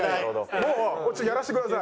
もうちょっとやらせてください。